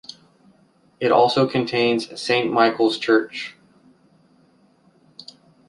It also contains Saint Michael's Church.